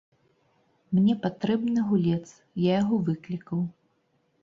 Мне патрэбны гулец, я яго выклікаў.